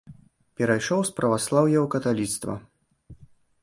Перайшоў з праваслаўя ў каталіцтва.